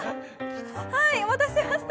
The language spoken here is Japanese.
お待たせしました。